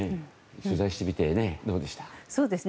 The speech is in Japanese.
取材してみてどうでした？